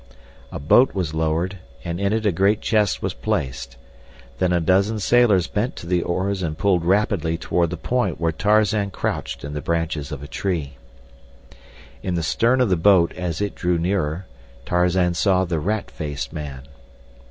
A boat was lowered, and in it a great chest was placed. Then a dozen sailors bent to the oars and pulled rapidly toward the point where Tarzan crouched in the branches of a tree. In the stern of the boat, as it drew nearer, Tarzan saw the rat faced man.